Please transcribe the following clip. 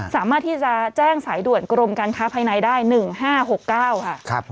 สามารถที่จะแจ้งสายด่วนกรมการค้าภายในได้๑๕๖๙ค่ะ